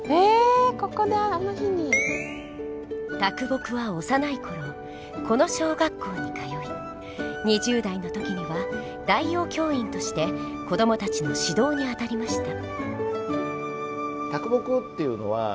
木は幼い頃この小学校に通い２０代の時には代用教員として子どもたちの指導にあたりました。